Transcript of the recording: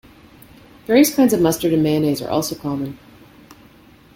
Various kinds of mustard and mayonnaise are also common.